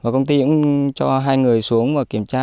công ty cũng cho hai người xuống và kiểm tra